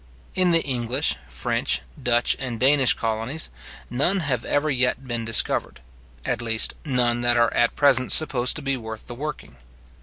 In the English, French, Dutch, and Danish colonies, none have ever yet been discovered, at least none that are at present supposed to be worth the working.